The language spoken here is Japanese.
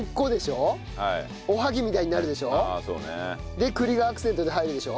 で栗がアクセントで入るでしょ。